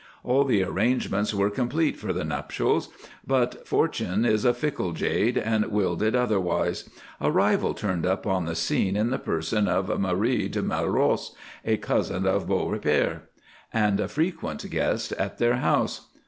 All the arrangements were complete for the nuptials; but fortune is a fickle jade, and willed it otherwise. A rival turned up on the scene in the person of Marie de Mailross, a cousin of the Beaurepaires, and a frequent guest at their house.